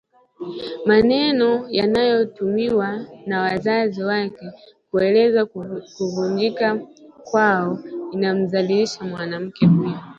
Maneno yanayotumiwa na wazazi wake kuelezea kuvunjika kwao inamdhalilisha mwanamke huyo